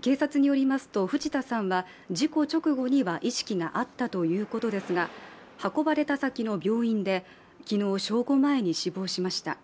警察によりますと藤田さんは事故直後には意識があったということですが運ばれた先の病院で昨日正午前に死亡しました。